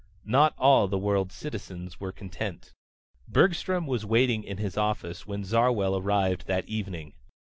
Not all the world's citizens were content. Bergstrom was waiting in his office when Zarwell arrived that evening.